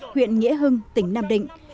huyện nghĩa hưng tỉnh nam định